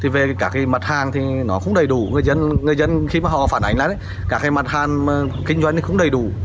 về các mặt hàng thì nó không đầy đủ người dân khi mà họ phản ánh là các mặt hàng kinh doanh thì không đầy đủ